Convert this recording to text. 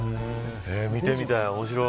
見てみたい、面白い。